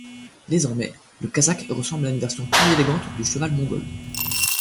Désormais, le Kazakh ressemble à une version plus élégante du cheval mongol.